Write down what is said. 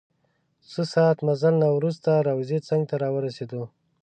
څه ساعت مزل نه وروسته روضې څنګ ته راورسیدو.